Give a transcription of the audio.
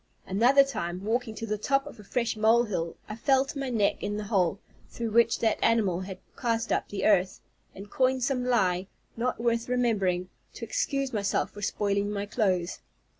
Another time, walking to the top of a fresh molehill, I fell to my neck in the hole, through which that animal had cast up the earth, and coined some lie, not worth remembering, to excuse myself for spoiling my clothes.